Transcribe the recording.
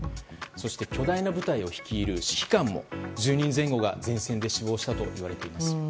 そして巨大な部隊を率いる指揮官も１０人前後が前線で死亡したといわれています。